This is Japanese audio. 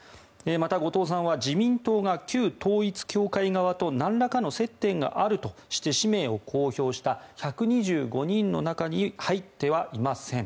また、後藤さんは自民党が旧統一教会側となんらかの接点があるとして氏名を公表した１２５人の中に入ってはいません。